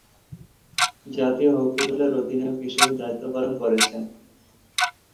জাতীয় হকি দলের অধিনায়ক হিসেবে দায়িত্ব পালন করেছেন।